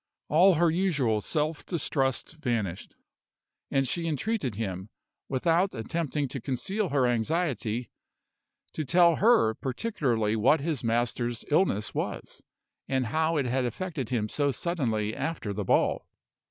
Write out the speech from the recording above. All her usual self distrust vanished; and she entreated him, without attempting to conceal her anxiety, to tell her particularly what his master's illness was, and how it had affected him so suddenly after the ball.